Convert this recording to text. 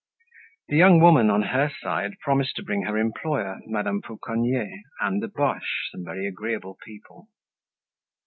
The young woman on her side, promised to bring her employer Madame Fauconnier and the Boches, some very agreeable people.